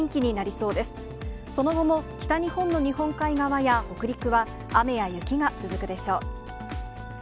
その後も北日本の日本海側や北陸は雨や雪が続くでしょう。